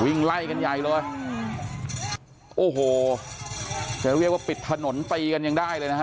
วิ่งไล่กันใหญ่เลยอืมโอ้โหจะเรียกว่าปิดถนนตีกันยังได้เลยนะฮะ